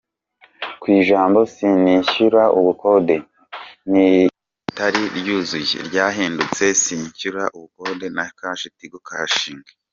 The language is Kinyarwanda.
Ku ijambo “sinishyura ubukode…’ ritari ryuzuye, ryahindutse “sinishyura ubukode na kashi, NdaTigoCashinga.